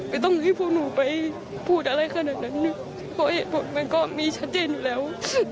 ต้องให้พวกหนูไปพูดอะไรขนาดนั้นเพราะเหตุผลมันก็มีชัดเจนอยู่แล้ว